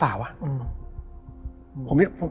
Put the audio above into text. แล้วสักครั้งหนึ่งเขารู้สึกอึดอัดที่หน้าอก